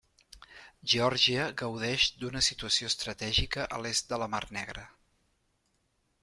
Geòrgia gaudeix d'una situació estratègica a l'est de la Mar Negra.